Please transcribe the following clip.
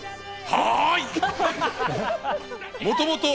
はい！